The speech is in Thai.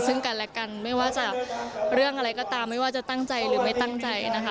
ซึ่งกันและกันไม่ว่าจากเรื่องอะไรก็ตามไม่ว่าจะตั้งใจหรือไม่ตั้งใจนะคะ